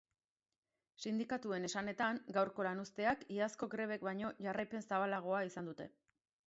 Sindikatuen esanetan, gaurko lanuzteak iazko grebek baino jarraipen zabalagoa izan dute.